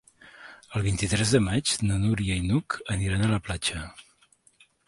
El vint-i-tres de maig na Núria i n'Hug aniran a la platja.